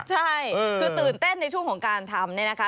ใช่คือตื่นเต้นในช่วงของการทำเนี่ยนะคะ